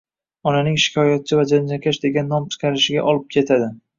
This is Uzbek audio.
Onaning shikoyatchi va janjalkash degan nom chiqarishiga olib ketadi.